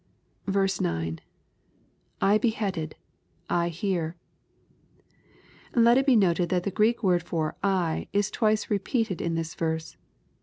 9. —[/ hehead ed .../ hear.] Let it be noted that the Greek word for " I," is twice repeated in this verse.